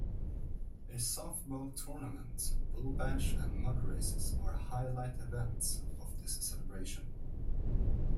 A softball tournament, bull bash and mud races are highlight events of this celebration.